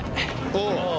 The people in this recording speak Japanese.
おう。